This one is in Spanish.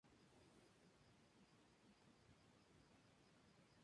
Realizó estudios sobre hotelería en la Universidad de Cornell, Ithaca, Nueva York.